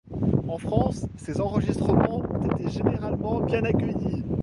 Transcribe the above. En France ses enregistrements ont été généralement bien accueillis.